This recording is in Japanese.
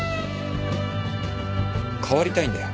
変わりたいんだよ